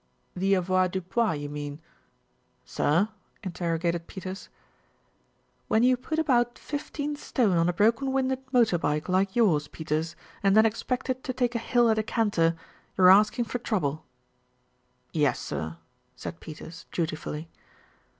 "The avoirdupois, you mean." "Sir?" interrogated Peters. "When you put about fifteen stone on a broken winded motor bike like yours, Peters, and then expect it to take a hill at a canter, you're asking for trouble." "Yes, sir," said Peters dutifully.